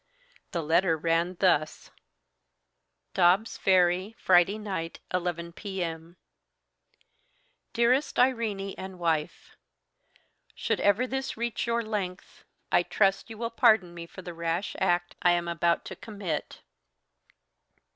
The letter ran thus: "Dobbs' Ferry, Friday Night, 11 p.m. "Dearest Irene and Wife, "Should ever this reach your length, I trust you will pardon me for the rash act I am about to commit.